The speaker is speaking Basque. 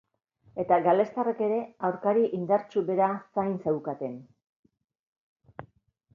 Eta galestarrek ere aurkari indartsu bera zain zeukaten.